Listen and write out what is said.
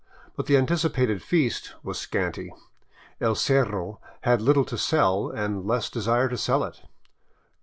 But the anticipated feast was scanty. El Cerro had little to sell and less desire to sell it.